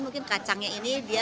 mungkin kacangnya ini dia lebih enak